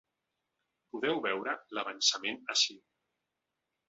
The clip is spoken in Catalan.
Podeu veure l’avançament ací.